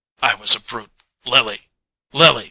I was a brute, Lily—Lily!